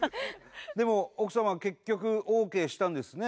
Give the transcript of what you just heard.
でも奥様は結局ＯＫしたんですね。